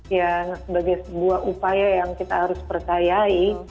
ya sebagai sebuah upaya yang kita harus percayai